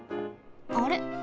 あれ？